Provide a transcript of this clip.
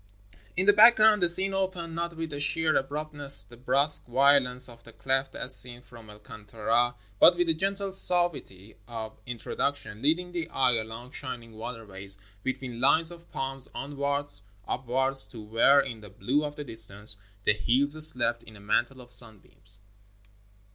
In the background the scene opened, not with the sheer abruptness, the brusque violence, of the cleft as seen from El Kantara, but with a gentle suavity of introduction, leading the eye along shining waterways, between Unes of palms, onwards, upwards, to where, in the blue of the distance, the hills slept in a mantle of sun beams.